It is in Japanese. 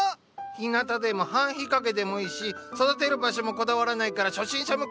ひなたでも半日陰でもいいし育てる場所もこだわらないから初心者向き。